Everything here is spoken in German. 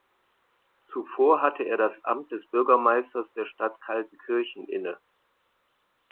Zuvor hatte er das Amt des Bürgermeisters der Stadt Kaldenkirchen inne.